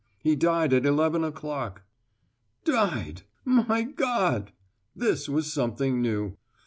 He died at eleven o'clock." Died! My God! this was something new.